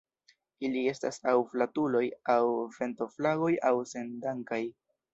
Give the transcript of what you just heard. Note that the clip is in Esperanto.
Ili estas aŭ flatuloj, aŭ ventoflagoj, aŭ sendankaj.